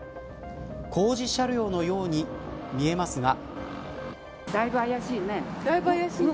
工事車両のように見えますが。